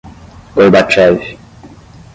Gorbachev